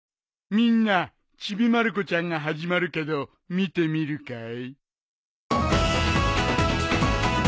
みんな『ちびまる子ちゃん』が始まるけど見てみるかい？